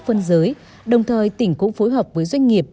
phân giới đồng thời tỉnh cũng phối hợp với doanh nghiệp